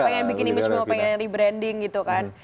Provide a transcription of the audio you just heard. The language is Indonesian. pengen bikin image mau pengen rebranding gitu kan